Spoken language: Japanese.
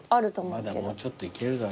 まだもうちょっといけるだろ。